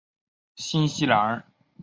新西兰岩虾原属海螯虾科海螯虾属。